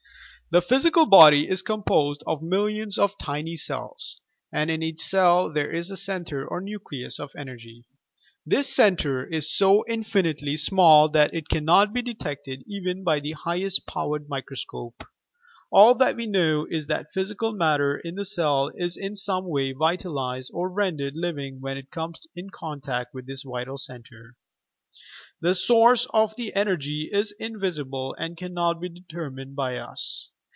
The physical body is composed of millions of tiny cells, and in each cell there is a centre or nucleus of energy. This centre is so infinitely small that it cannot be detected even by the highest powered microscope. All that we know is, that physical matter in the cell is in some way vitalized or rendered living when it comes in contact with this vital centre. The source of the energy is invisible and cannot be determined by us.